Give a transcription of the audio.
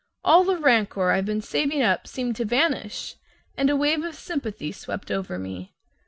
All the rancor I've been saving up seemed to vanish, and a wave of sympathy swept over me.